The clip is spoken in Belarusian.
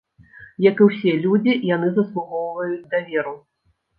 Як і ўсе людзі, яны заслугоўваюць даверу.